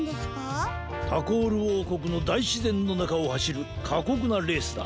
タコールおうこくのだいしぜんのなかをはしるかこくなレースだ。